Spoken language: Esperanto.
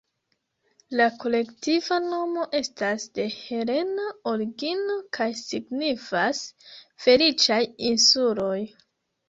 La kolektiva nomo estas de helena origino kaj signifas "feliĉaj insuloj".